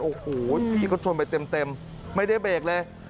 โอ้โหพี่เขาชนไปเต็มไม่ได้เบรกเลย